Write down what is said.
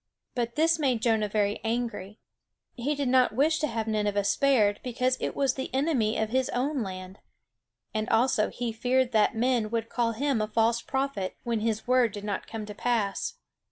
But this made Jonah very angry. He did not wish to have Nineveh spared, because it was the enemy of his own land; and also he feared that men would call him a false prophet when his word did not come to pass.